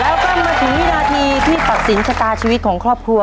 แล้วก็มาถึงวินาทีที่ตัดสินชะตาชีวิตของครอบครัว